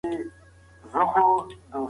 کمپيوټر دوهپړاوه تصديق لري.